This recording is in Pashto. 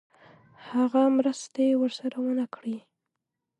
هغه مرستې ورسره ونه کړې.